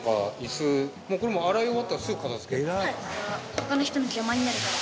他の人の邪魔になるから。